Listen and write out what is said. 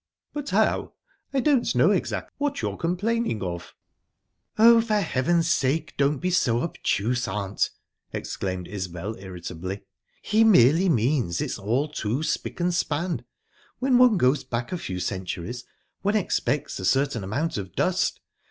"But how? I don't know exactly what you're complaining of." "Oh, for heaven's sake, don't be so obtuse, aunt!" exclaimed Isbel, irritably. "He merely means, it's all too spick and span. When one goes back a few centuries, one expects a certain amount of dust.